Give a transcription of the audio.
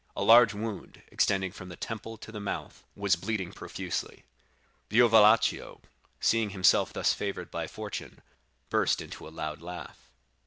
A large wound, extending from the temple to the mouth, was bleeding profusely. Diavolaccio, seeing himself thus favored by fortune, burst into a loud laugh.